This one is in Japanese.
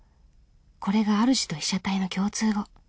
これがあるじと被写体の共通語。